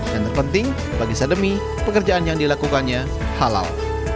yang terpenting bagi sademi pekerjaan yang dilakukannya halal